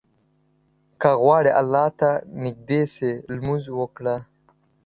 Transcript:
که غواړې الله ته نيږدى سې، لمونځ وکړه.